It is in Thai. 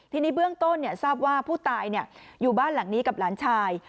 ทีนี้เบื้องต้นทราบว่าผู้ตายอยู่บ้านหลังนี้กับหลานชาย